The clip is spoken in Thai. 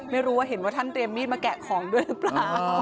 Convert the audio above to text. ไม่รู้ว่าเห็นว่าท่านเตรียมมีดมาแกะของด้วยหรือเปล่า